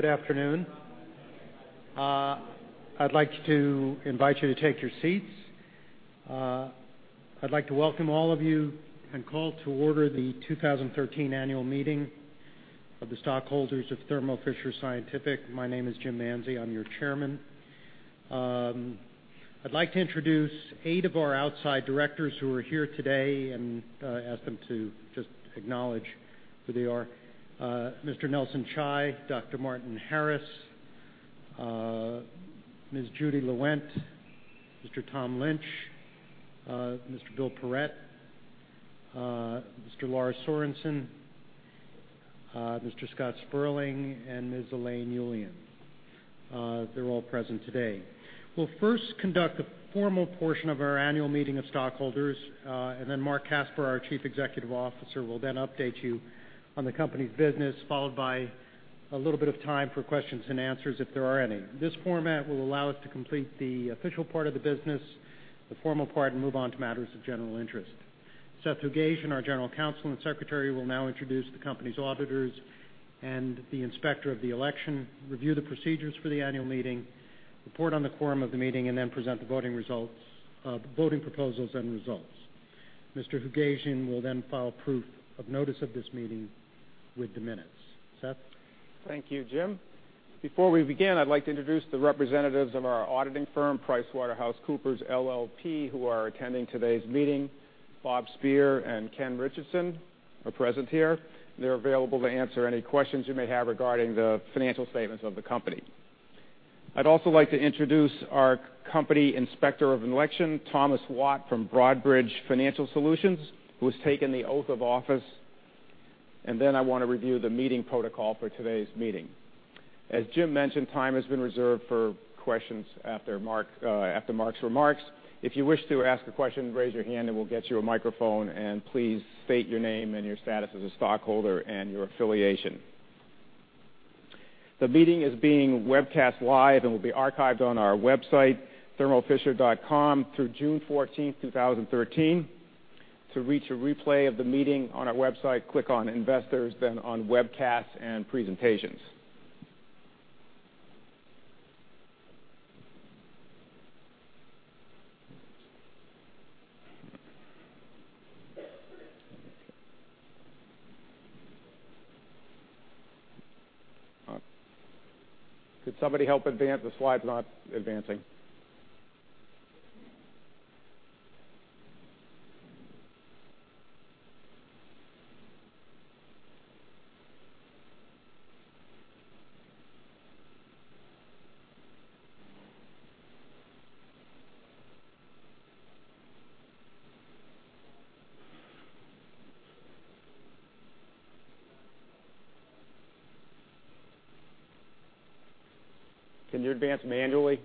Good afternoon. I'd like to invite you to take your seats. I'd like to welcome all of you and call to order the 2013 annual meeting of the stockholders of Thermo Fisher Scientific. My name is Jim Manzi. I'm your chairman. I'd like to introduce eight of our outside directors who are here today and ask them to just acknowledge who they are. Mr. Nelson Chai, Dr. Martin Harris, Ms. Judy Lewent, Mr. Tom Lynch, Mr. Bill Parrett, Mr. Lars Sørensen, Mr. Scott Sperling, and Ms. Elaine Ullian. They're all present today. We'll first conduct the formal portion of our annual meeting of stockholders. Marc Casper, our Chief Executive Officer, will then update you on the company's business, followed by a little bit of time for questions and answers, if there are any. This format will allow us to complete the official part of the business, the formal part, and move on to matters of general interest. Seth Hoogasian, our General Counsel and Secretary, will now introduce the company's auditors and the inspector of the election, review the procedures for the annual meeting, report on the quorum of the meeting, and present the voting proposals and results. Mr. Hoogasian will file proof of notice of this meeting with the minutes. Seth? Thank you, Jim. Before we begin, I'd like to introduce the representatives of our auditing firm, PricewaterhouseCoopers LLP, who are attending today's meeting. Bob Speer and Ken Richardson are present here. They're available to answer any questions you may have regarding the financial statements of the company. I'd also like to introduce our company inspector of election, Thomas Watt from Broadridge Financial Solutions, who has taken the oath of office. I want to review the meeting protocol for today's meeting. As Jim mentioned, time has been reserved for questions after Marc's remarks. If you wish to ask a question, raise your hand, and we'll get you a microphone. Please state your name and your status as a stockholder and your affiliation. The meeting is being webcast live and will be archived on our website, thermofisher.com, through June 14th, 2013. To reach a replay of the meeting on our website, click on Investors, on Webcasts and Presentations. Could somebody help advance? The slide's not advancing. Can you advance manually?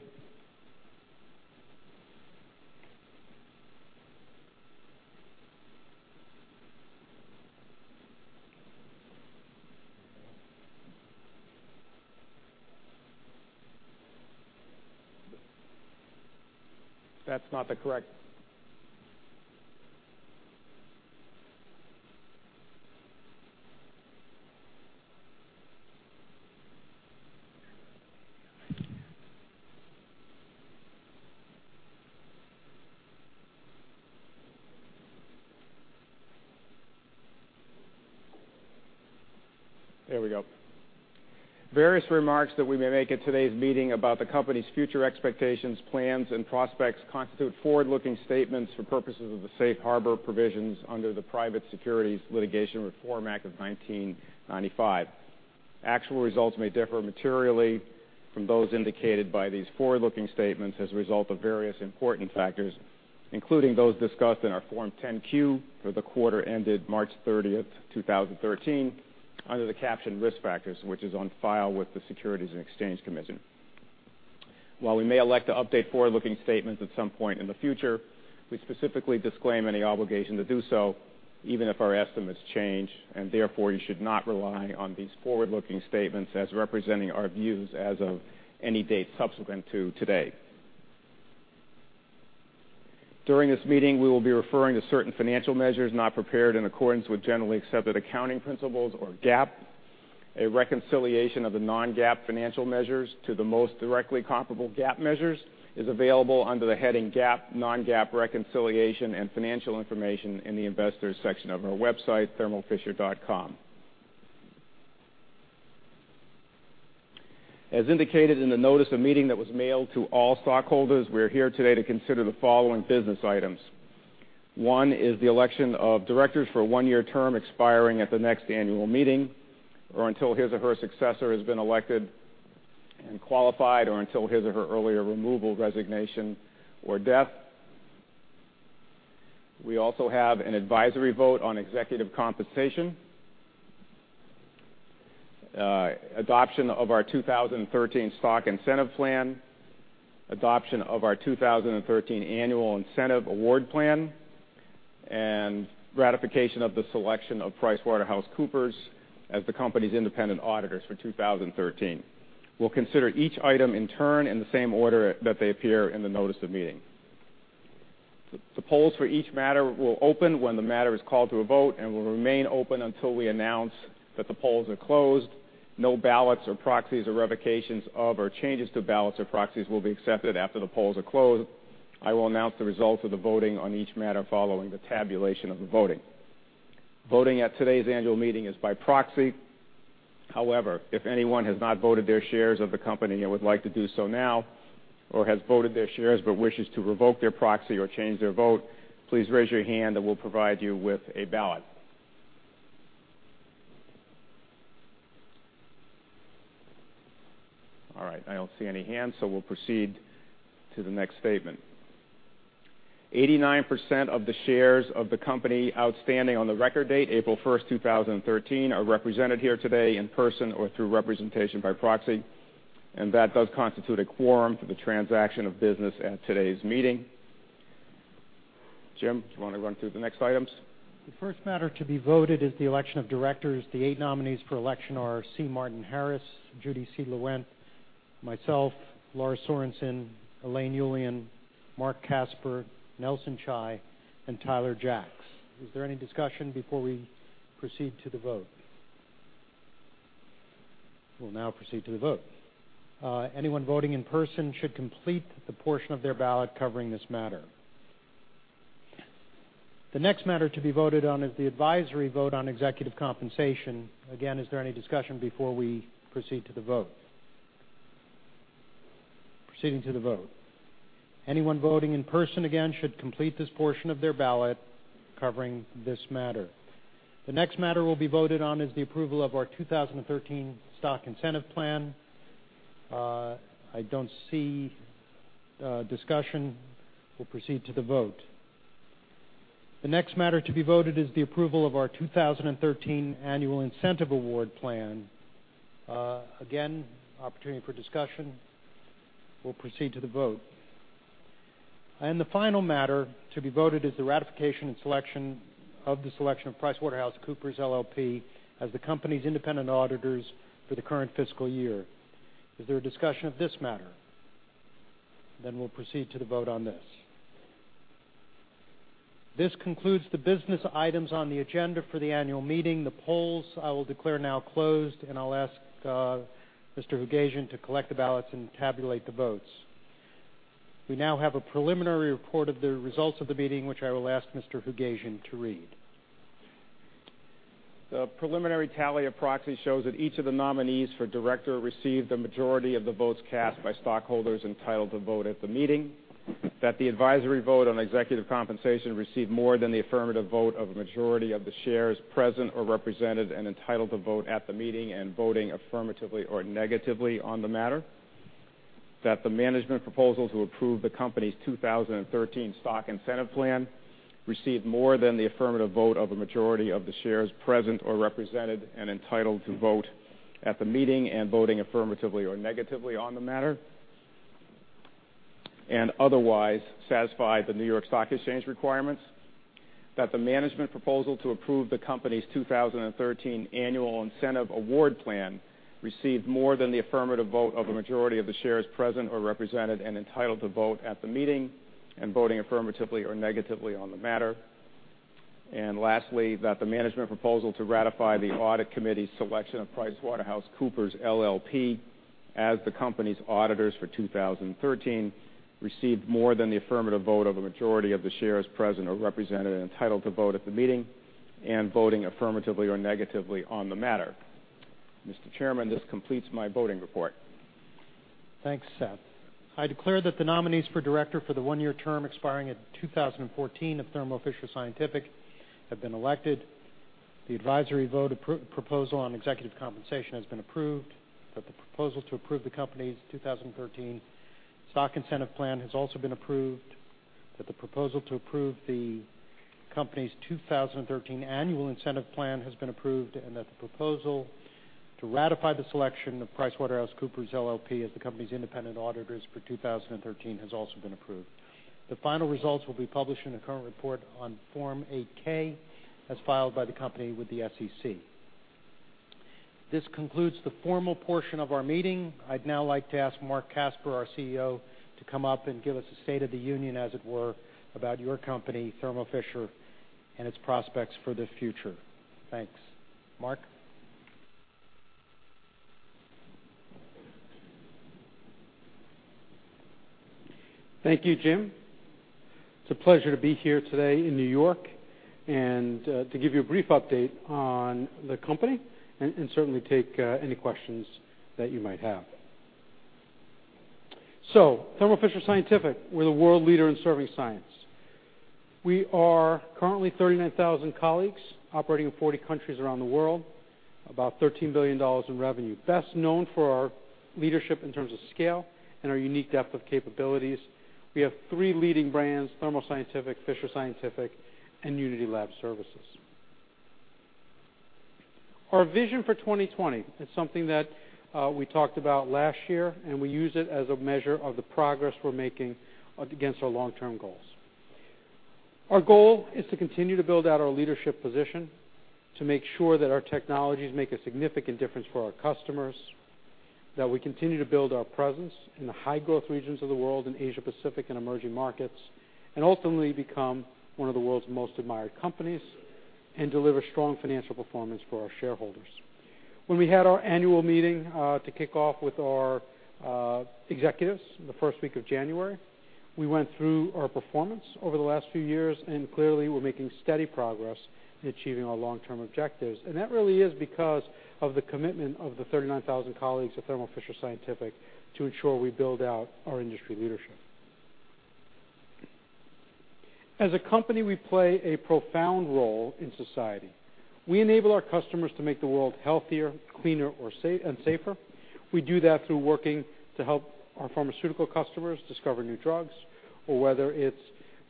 There we go. Various remarks that we may make at today's meeting about the company's future expectations, plans, and prospects constitute forward-looking statements for purposes of the safe harbor provisions under the Private Securities Litigation Reform Act of 1995. Actual results may differ materially from those indicated by these forward-looking statements as a result of various important factors, including those discussed in our Form 10-Q for the quarter ended March 30th, 2013, under the caption Risk Factors, which is on file with the Securities and Exchange Commission. While we may elect to update forward-looking statements at some point in the future, we specifically disclaim any obligation to do so, even if our estimates change. Therefore, you should not rely on these forward-looking statements as representing our views as of any date subsequent to today. During this meeting, we will be referring to certain financial measures not prepared in accordance with generally accepted accounting principles, or GAAP. A reconciliation of the non-GAAP financial measures to the most directly comparable GAAP measures is available under the heading GAAP, non-GAAP Reconciliation and Financial Information in the Investors section of our website, thermofisher.com. As indicated in the notice of meeting that was mailed to all stockholders, we're here today to consider the following business items. One is the election of directors for a one-year term expiring at the next annual meeting, or until his or her successor has been elected and qualified, or until his or her earlier removal, resignation, or death. We also have an advisory vote on executive compensation, adoption of our 2013 stock incentive plan, adoption of our 2013 annual incentive award plan, and ratification of the selection of PricewaterhouseCoopers as the company's independent auditors for 2013. We'll consider each item in turn in the same order that they appear in the notice of meeting. The polls for each matter will open when the matter is called to a vote and will remain open until we announce that the polls are closed. No ballots or proxies or revocations of, or changes to ballots or proxies will be accepted after the polls are closed. I will announce the results of the voting on each matter following the tabulation of the voting. Voting at today's annual meeting is by proxy. However, if anyone has not voted their shares of the company and would like to do so now, or has voted their shares but wishes to revoke their proxy or change their vote, please raise your hand and we'll provide you with a ballot. All right. I don't see any hands, we'll proceed to the next statement. 89% of the shares of the company outstanding on the record date, April 1st, 2013, are represented here today in person or through representation by proxy, and that does constitute a quorum for the transaction of business at today's meeting. Jim, do you want to run through the next items? The first matter to be voted is the election of directors. The eight nominees for election are C. Martin Harris, Judy C. Lewent, myself, Lars Sørensen, Elaine Ullian, Marc Casper, Nelson Chai, and Tyler Jacks. Is there any discussion before we proceed to the vote? We'll now proceed to the vote. Anyone voting in person should complete the portion of their ballot covering this matter. The next matter to be voted on is the advisory vote on executive compensation. Again, is there any discussion before we proceed to the vote? Proceeding to the vote. Anyone voting in person, again, should complete this portion of their ballot covering this matter. The next matter will be voted on is the approval of our 2013 stock incentive plan. I don't see discussion. We'll proceed to the vote. The next matter to be voted is the approval of our 2013 annual incentive award plan. Opportunity for discussion. We'll proceed to the vote. The final matter to be voted is the ratification of the selection of PricewaterhouseCoopers LLP as the company's independent auditors for the current fiscal year. Is there a discussion of this matter? We'll proceed to the vote on this. This concludes the business items on the agenda for the annual meeting. The polls, I will declare now closed, and I'll ask Mr. Hoogasian to collect the ballots and tabulate the votes. We now have a preliminary report of the results of the meeting, which I will ask Mr. Hoogasian to read. The preliminary tally of proxies shows that each of the nominees for director received the majority of the votes cast by stockholders entitled to vote at the meeting, that the advisory vote on executive compensation received more than the affirmative vote of a majority of the shares present or represented and entitled to vote at the meeting and voting affirmatively or negatively on the matter. That the management proposal to approve the company's 2013 stock incentive plan received more than the affirmative vote of a majority of the shares present or represented and entitled to vote at the meeting and voting affirmatively or negatively on the matter, and otherwise satisfied the New York Stock Exchange requirements. That the management proposal to approve the company's 2013 annual incentive award plan received more than the affirmative vote of a majority of the shares present or represented and entitled to vote at the meeting and voting affirmatively or negatively on the matter. Lastly, that the management proposal to ratify the audit committee's selection of PricewaterhouseCoopers LLP as the company's auditors for 2013 received more than the affirmative vote of a majority of the shares present or represented and entitled to vote at the meeting and voting affirmatively or negatively on the matter. Mr. Chairman, this completes my voting report. Thanks, Seth. I declare that the nominees for director for the one-year term expiring in 2014 of Thermo Fisher Scientific have been elected. The advisory vote proposal on executive compensation has been approved, that the proposal to approve the company's 2013 stock incentive plan has also been approved, that the proposal to approve the company's 2013 annual incentive plan has been approved, that the proposal to ratify the selection of PricewaterhouseCoopers LLP as the company's independent auditors for 2013 has also been approved. The final results will be published in a current report on Form 8-K as filed by the company with the SEC. This concludes the formal portion of our meeting. I'd now like to ask Marc Casper, our CEO, to come up and give us a state of the union, as it were, about your company, Thermo Fisher, and its prospects for the future. Thanks. Marc? Thank you, Jim. It's a pleasure to be here today in New York and to give you a brief update on the company and certainly take any questions that you might have. Thermo Fisher Scientific, we're the world leader in serving science. We are currently 39,000 colleagues operating in 40 countries around the world, about $13 billion in revenue. Best known for our leadership in terms of scale and our unique depth of capabilities. We have three leading brands, Thermo Scientific, Fisher Scientific, and Unity Lab Services. Our vision for 2020 is something that we talked about last year, we use it as a measure of the progress we're making against our long-term goals. Our goal is to continue to build out our leadership position, to make sure that our technologies make a significant difference for our customers. That we continue to build our presence in the high-growth regions of the world, in Asia Pacific and emerging markets, and ultimately become one of the world's most admired companies and deliver strong financial performance for our shareholders. When we had our annual meeting to kick off with our executives in the first week of January, we went through our performance over the last few years, clearly, we're making steady progress in achieving our long-term objectives. That really is because of the commitment of the 39,000 colleagues at Thermo Fisher Scientific to ensure we build out our industry leadership. As a company, we play a profound role in society. We enable our customers to make the world healthier, cleaner, and safer. We do that through working to help our pharmaceutical customers discover new drugs, or whether it's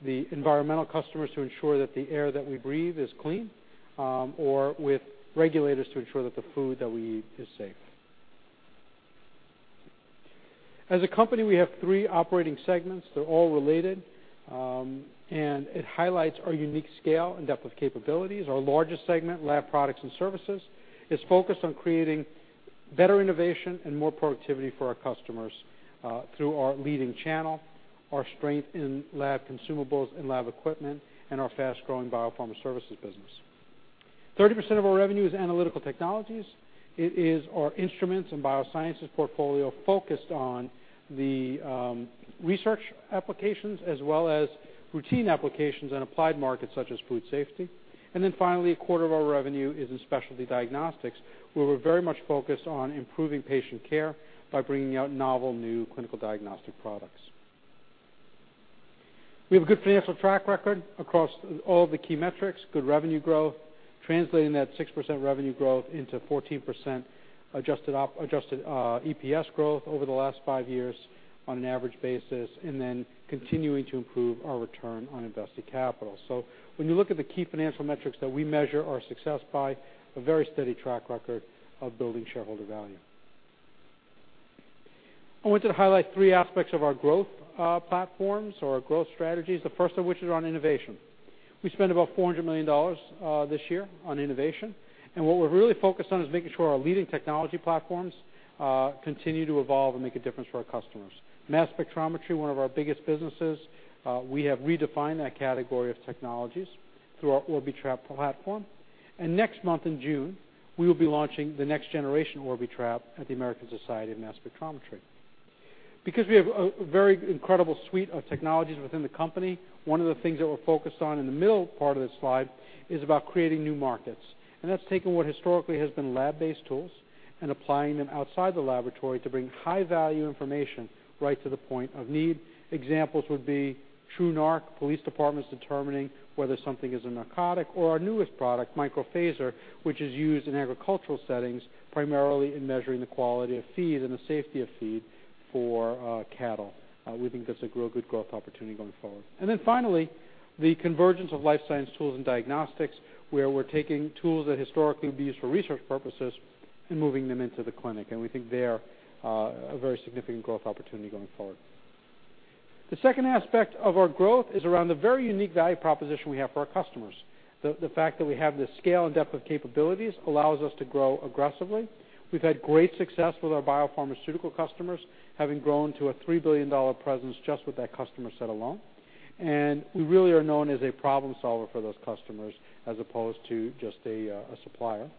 the environmental customers to ensure that the air that we breathe is clean, or with regulators to ensure that the food that we eat is safe. As a company, we have three operating segments. They're all related. It highlights our unique scale and depth of capabilities. Our largest segment, Lab Products and Services, is focused on creating better innovation and more productivity for our customers through our leading channel, our strength in lab consumables and lab equipment, and our fast-growing biopharma services business. 30% of our revenue is analytical technologies. It is our instruments and biosciences portfolio focused on the research applications as well as routine applications in applied markets such as food safety. Finally, a quarter of our revenue is in Specialty Diagnostics, where we're very much focused on improving patient care by bringing out novel new clinical diagnostic products. We have a good financial track record across all the key metrics, good revenue growth, translating that 6% revenue growth into 14% adjusted EPS growth over the last five years on an average basis, continuing to improve our return on invested capital. When you look at the key financial metrics that we measure our success by, a very steady track record of building shareholder value. I wanted to highlight three aspects of our growth platforms or our growth strategies, the first of which is on innovation. We spent about $400 million this year on innovation, what we're really focused on is making sure our leading technology platforms continue to evolve and make a difference for our customers. Mass spectrometry, one of our biggest businesses, we have redefined that category of technologies through our Orbitrap platform. Next month in June, we will be launching the next generation Orbitrap at the American Society for Mass Spectrometry. We have a very incredible suite of technologies within the company, one of the things that we're focused on in the middle part of this slide is about creating new markets, and that's taken what historically has been lab-based tools and applying them outside the laboratory to bring high-value information right to the point of need. Examples would be TruNarc, police departments determining whether something is a narcotic, or our newest product, microPHAZIR, which is used in agricultural settings, primarily in measuring the quality of feed and the safety of feed for cattle. We think that's a real good growth opportunity going forward. Finally, the convergence of life science tools and diagnostics, where we're taking tools that historically would be used for research purposes and moving them into the clinic, we think they're a very significant growth opportunity going forward. The second aspect of our growth is around the very unique value proposition we have for our customers. The fact that we have the scale and depth of capabilities allows us to grow aggressively. We've had great success with our biopharmaceutical customers, having grown to a $3 billion presence just with that customer set alone. We really are known as a problem solver for those customers as opposed to just a supplier.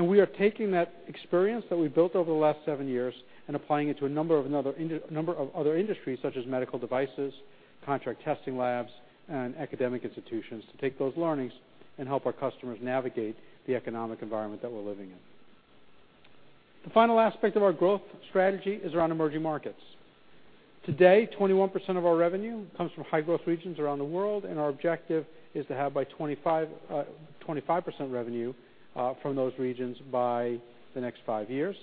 We are taking that experience that we've built over the last seven years and applying it to a number of other industries such as medical devices, contract testing labs, and academic institutions to take those learnings and help our customers navigate the economic environment that we're living in. The final aspect of our growth strategy is around emerging markets. Today, 21% of our revenue comes from high-growth regions around the world, our objective is to have by 25% revenue from those regions by the next five years.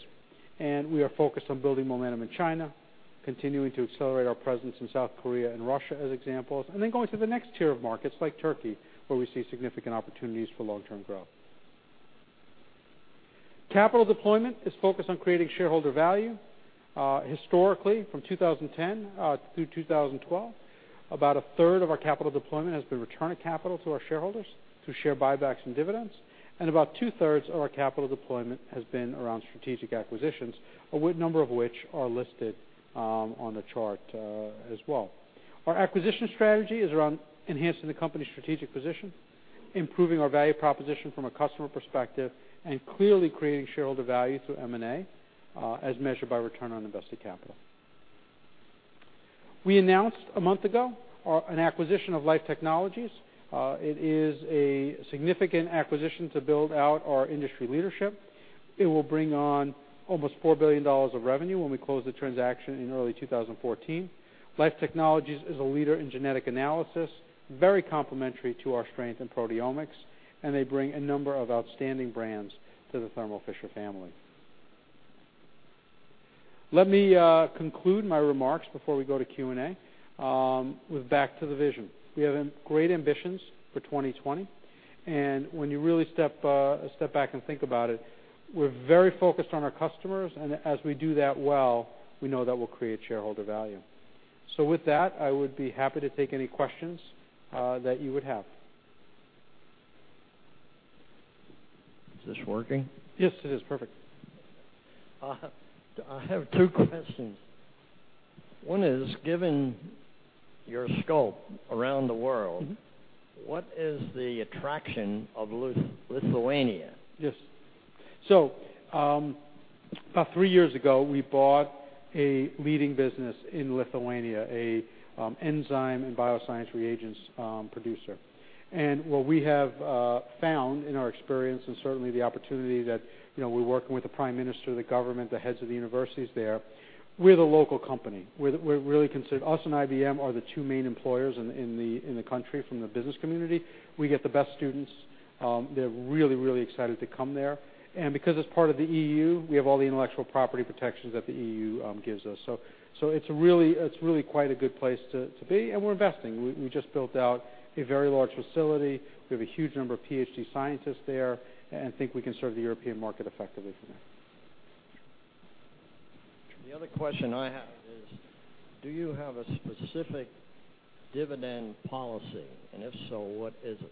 We are focused on building momentum in China, continuing to accelerate our presence in South Korea and Russia as examples, then going to the next tier of markets like Turkey, where we see significant opportunities for long-term growth. Capital deployment is focused on creating shareholder value. Historically, from 2010 through 2012, about a third of our capital deployment has been return of capital to our shareholders through share buybacks and dividends, about two-thirds of our capital deployment has been around strategic acquisitions, a number of which are listed on the chart as well. Our acquisition strategy is around enhancing the company's strategic position, improving our value proposition from a customer perspective, clearly creating shareholder value through M&A, as measured by return on invested capital. We announced a month ago an acquisition of Life Technologies. It is a significant acquisition to build out our industry leadership. It will bring on almost $4 billion of revenue when we close the transaction in early 2014. Life Technologies is a leader in genetic analysis, very complementary to our strength in proteomics, and they bring a number of outstanding brands to the Thermo Fisher family. Let me conclude my remarks before we go to Q&A with back to the vision. We have great ambitions for 2020, and when you really step back and think about it, we're very focused on our customers, and as we do that well, we know that will create shareholder value. With that, I would be happy to take any questions that you would have. Is this working? Yes, it is. Perfect. I have two questions. One is, given your scope around the world- What is the attraction of Lithuania? Yes. About three years ago, we bought a leading business in Lithuania, an enzyme and bioscience reagents producer. What we have found in our experience, and certainly the opportunity that we're working with the prime minister, the government, the heads of the universities there, we're the local company. Us and IBM are the two main employers in the country from the business community. We get the best students. They're really, really excited to come there. And because it's part of the EU, we have all the intellectual property protections that the EU gives us. It's really quite a good place to be, and we're investing. We just built out a very large facility. We have a huge number of PhD scientists there and think we can serve the European market effectively from there. The other question I have is, do you have a specific dividend policy, and if so, what is it?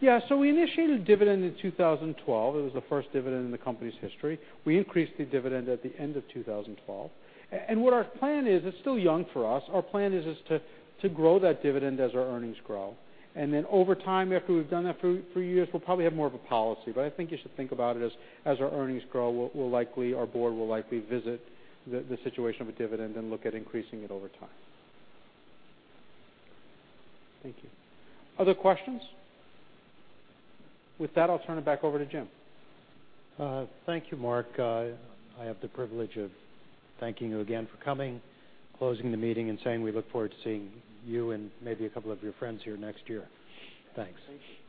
Yeah. We initiated a dividend in 2012. It was the first dividend in the company's history. We increased the dividend at the end of 2012. What our plan is, it's still young for us. Our plan is to grow that dividend as our earnings grow. Over time, after we've done that for years, we'll probably have more of a policy. I think you should think about it as our earnings grow, our board will likely visit the situation of a dividend and look at increasing it over time. Thank you. Other questions? With that, I'll turn it back over to Jim. Thank you, Marc. I have the privilege of thanking you again for coming, closing the meeting, and saying we look forward to seeing you and maybe a couple of your friends here next year. Thanks.